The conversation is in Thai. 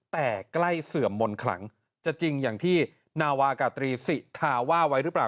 แต่ใกล้เสื่อมมนต์ขลังจะจริงอย่างที่นาวากาตรีสิทาว่าไว้หรือเปล่า